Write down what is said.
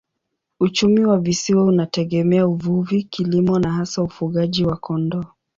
Uchumi wa visiwa unategemea uvuvi, kilimo na hasa ufugaji wa kondoo.